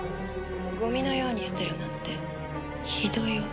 ゴミのように捨てるなんてひどい男。